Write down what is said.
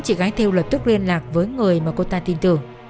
chị gái theo lập tức liên lạc với người mà cô ta tin tưởng